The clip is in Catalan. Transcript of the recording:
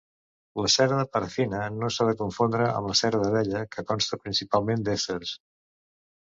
La cera de parafina no s'ha de confondre amb la cera d'abella, que consta principalment d'èsters.